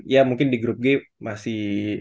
ya mungkin di grup g masih